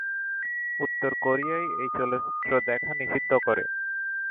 উত্তর কোরিয়ায় এই চলচ্চিত্র দেখা নিষিদ্ধ করে।